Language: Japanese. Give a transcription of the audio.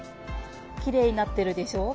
きれいになってるでしょう？